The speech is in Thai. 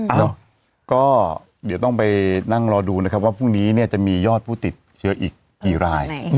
เอ้าก็เดี๋ยวต้องไปนั่งรอดูนะครับว่าพรุ่งนี้เนี่ยจะมียอดผู้ติดเชื้ออีกกี่ราย